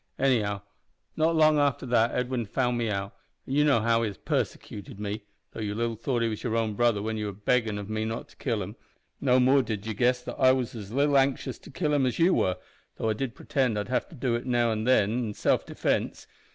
Anyhow, not long after that Edwin found me out an' you know how he has persecuted me, though you little thought he was your own brother when you were beggin' of me not to kill him no more did you guess that I was as little anxious to kill him as you were, though I did pretend I'd have to do it now an' then in self defence.